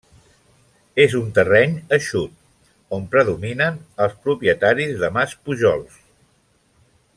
És un terreny eixut, on predominen els propietaris de Maspujols.